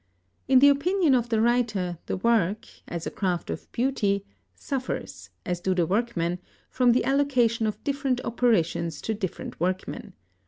In the opinion of the writer, the work, as a craft of beauty, suffers, as do the workmen, from the allocation of different operations to different workmen.